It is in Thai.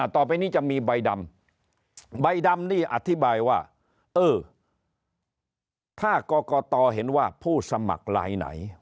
ต่อไปนี้จะมีใบดำใบดำนี่อธิบายว่าเออถ้ากรกตเห็นว่าผู้สมัครลายไหน